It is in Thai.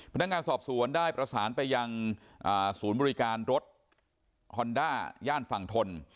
พนักงานสอบสวนได้ประสานไปยังศูนย์บริการรถฮอนด้าย่านฝั่งทน